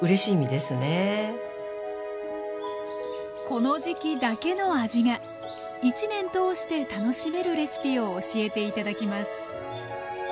この時季だけの味が一年通して楽しめるレシピを教えて頂きます